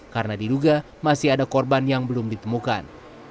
karena diduga masih ada korban yang belum ditemukan